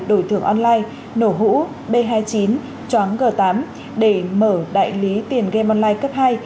đổi thưởng online nổ hũ b hai mươi chín choáng g tám để mở đại lý tiền game online cấp hai